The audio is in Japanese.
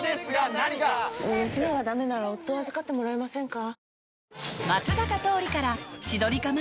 娘がダメなら夫預かってもらえませんか。